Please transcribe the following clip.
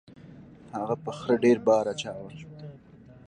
هغه په خره ډیر بار اچاوه.